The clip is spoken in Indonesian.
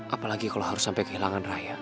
apalagi kalau harus sampai kehilangan raya